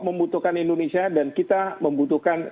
membutuhkan indonesia dan kita membutuhkan